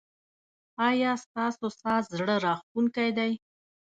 ایا ستاسو ساز زړه راښکونکی دی؟